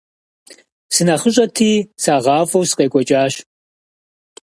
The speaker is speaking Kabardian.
СынэхъыщӀэти сагъафӀэу сыкъекӀуэкӀащ.